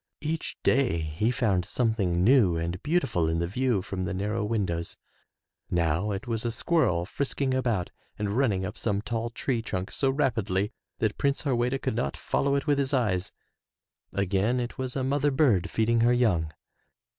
Each day he found something new and beautiful in the view from the narrow windows. Now it was a squirrel frisking about and running up some tall tree trunk so rapidly that Prince Harweda could not follow it with his eyes; again it was a mother bird feeding her young.